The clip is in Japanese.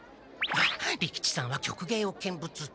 利吉さんは曲芸を見物中。